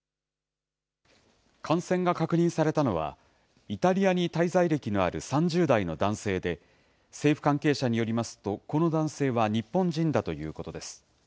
感染が確認されたのは、イタリアに滞在歴のある３０代の男性で、政府関係者によりますと、この男性は日本人だということです。